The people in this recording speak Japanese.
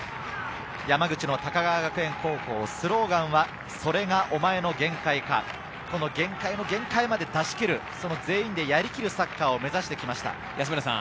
山口の高川学園高校、スローガンは「それがおまえの限界か？」、その限界の限界まで出し切る、全員でやりきるサッカーを目指してきました。